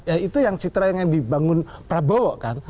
ya itu yang citra yang dibangun prabowo kan